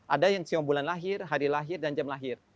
ada yang siom bulan lahir hari lahir dan jam lahir